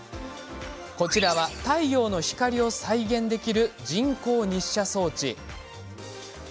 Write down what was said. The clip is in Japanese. こちらは太陽の光を再現できる人工日射装置。